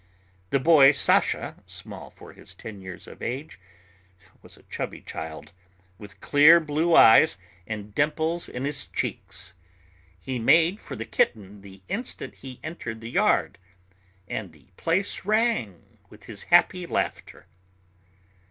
The boy Sasha, small for his ten years of age, was a chubby child, with clear blue eyes and dimples in his cheeks. He made for the kitten the instant he entered the yard, and the place rang with his happy laughter.